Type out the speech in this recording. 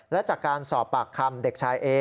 และจากการสอบปากคำเด็กชายเอ